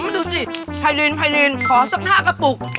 ดูสิไพรีนขอซักหน้ากระปุก